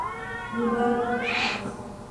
Dubai kuna kazi